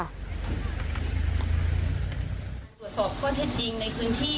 ตรวจสอบข้อเท็จจริงในพื้นที่